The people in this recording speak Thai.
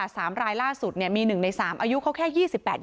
ศาลการณ์โควิด๑๙บอกว่าส่วนใหญ่